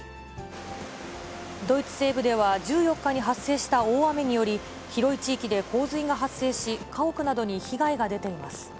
ドイツ西部では１４日に発生した大雨により、広い地域で洪水が発生し、家屋などに被害が出ています。